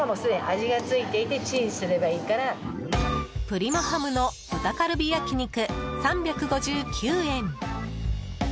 プリマハムの豚カルビ焼肉３５９円。